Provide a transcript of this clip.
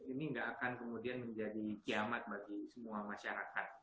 ini nggak akan kemudian menjadi kiamat bagi semua masyarakat